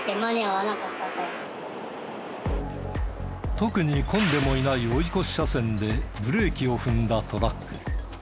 特に混んでもいない追い越し車線でブレーキを踏んだトラック。